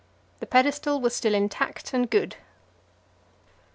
The pedestal was still intact and good.